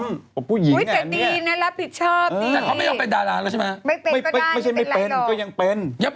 ไม่ต้องหรอกเพราะผู้ผู้หญิงอ่ะ